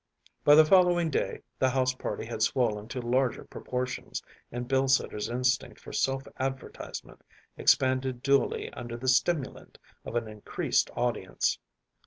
By the following day the house party had swollen to larger proportions, and Bilsiter’s instinct for self advertisement expanded duly under the stimulant of an increased audience.